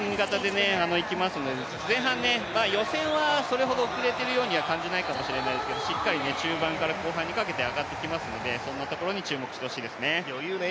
前半、予選はそれほど遅れているように感じないかもしれませんけど、しっかり中盤から後半にかけて上がっていきますのでそんなところに注目してほしいですね。